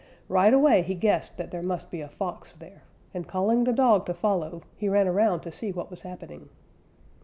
Right away he guessed that there must be a Fox there, and calling the dog to follow, he ran around to see what was happening.